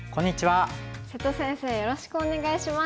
瀬戸先生よろしくお願いします。